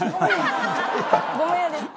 ごめんやで。